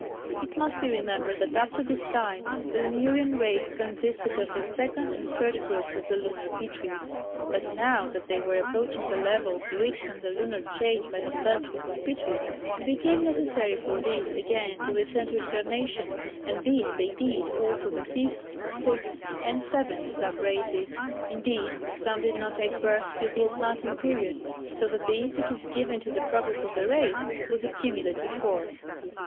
It must be remembered that up to this time the Lemurian race consisted of the second and third groups of the Lunar Pitris. But now that they were approaching the level reached on the Lunar chain by the first group of Pitris, it became necessary for these again to return to incarnation, and this they did all through the fifth, sixth and seventh sub races (indeed, some did not take birth till the Atlantean period), so that the impetus given to the progress of the race was a cumulative force.